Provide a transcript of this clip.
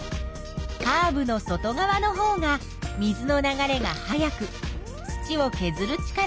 カーブの外側のほうが水の流れが速く土をけずる力が大きい。